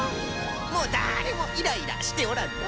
もうだれもイライラしておらんのう！